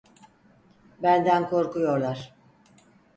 Benden korkuyorlar.